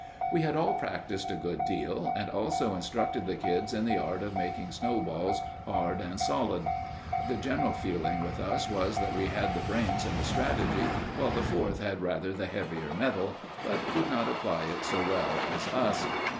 We had all practised a good deal, and also instructed the kids in the art of making snowballs hard and solid. The general feeling with us was that we had the brains and the strategy, while the Fourth had rather the heavier metal, but would not apply it so well as us.